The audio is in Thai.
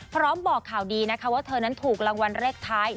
บอกข่าวดีนะคะว่าเธอนั้นถูกรางวัลเลขท้าย